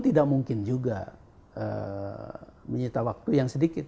tidak mungkin juga menyita waktu yang sedikit